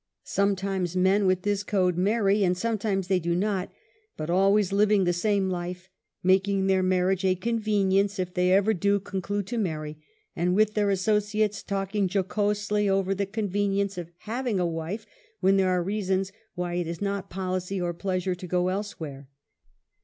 Sometimes men with this code marry and sometimes do not, but always living the same life, making their marriage a convenience, if they ever do conclude to marry, and with their associates talk jocosely over the conve '^i nience of having a wife, when there are reasons why |it is not policy or pleasure to go elsewhere.